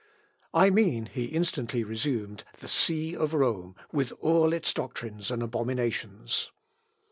I mean, he instantly resumed, the see of Rome, with all its doctrines and abominations."